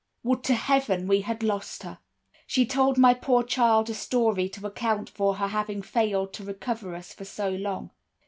Would to heaven we had lost her! "She told my poor child a story to account for her having failed to recover us for so long.